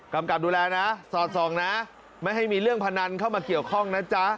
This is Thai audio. กำกับดูแลนะสอดส่องนะไม่ให้มีเรื่องพนันเข้ามาเกี่ยวข้องนะจ๊ะ